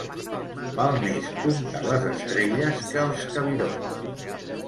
Val més comptar les estrelles que els cabirons.